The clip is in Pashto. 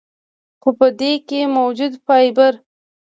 خو پۀ دې کښې موجود فائبر ،